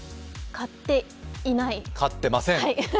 買ってません。